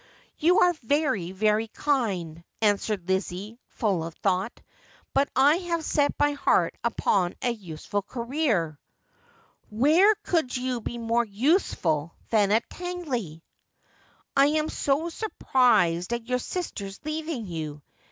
You are very, very kind,' answered Lizzie, full of thought, 'but I have set my heart upon a useful career.' ' Where could you be more useful than at Tangley 1 '' I am so surprised at your sisters leaving you.